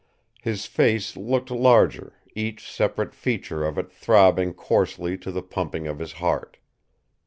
His face looked larger, each separate feature of it throbbing coarsely to the pumping of his heart.